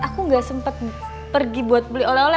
aku nggak sempat pergi buat beli oleh oleh